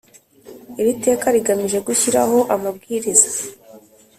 Iri teka rigamije gushyiraho amabwiriza